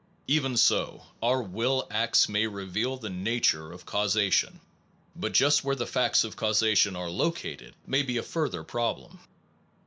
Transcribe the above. Even so our will acts may reveal the na ture of causation, but just where the facts of causation are located may be a further pro blem.